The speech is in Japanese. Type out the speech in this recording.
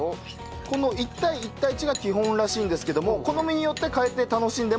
この１対１対１が基本らしいんですけども好みによって変えて楽しんでもいいそうです。